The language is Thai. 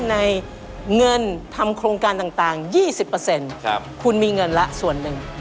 ในเงินทำโครงการต่าง๒๐คุณมีเงินละส่วนหนึ่ง